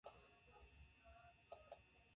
د پېغلې و کوس ته د ځوان غڼ لک شوی